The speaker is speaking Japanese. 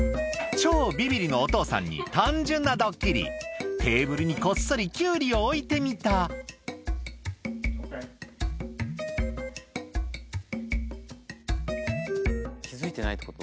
超ビビリのお父さんに単純なドッキリテーブルにこっそりキュウリを置いてみた気付いてないってこと？